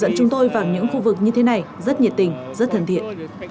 dẫn chúng tôi vào những khu vực như thế này rất nhiệt tình rất thân thiện